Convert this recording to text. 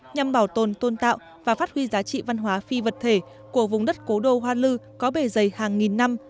nhằm bảo tồn tôn tạo và phát huy giá trị văn hóa phi vật thể của vùng đất cố đô hoa lư có bề dày hàng nghìn năm